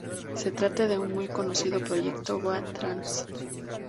Se trata de una muy conocido proyecto Goa trance.